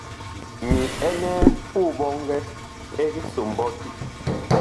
Mi ɛnɛɛ puh ɓɔngɛ ɛg so mɓɔti.